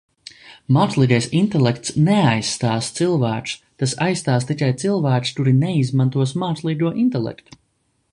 Mākslīgais intelekts neaizstās cilvēkus, tas aizstās tikai cilvēkus, kuri neizmantos mākslīgo intelektu.